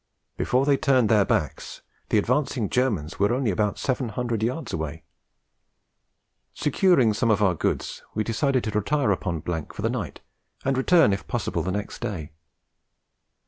Before they turned their backs, 'the advancing Germans were only about 700 yards away. Securing some of our goods, we decided to retire upon for the night and return if possible the next day.'